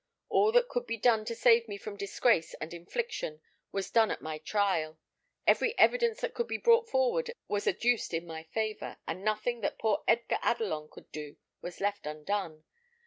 All that could be done to save me from disgrace and infliction was done at my trial. Every evidence that could be brought forward was adduced in my favour, and nothing that poor Edgar Adelon could do was left undone.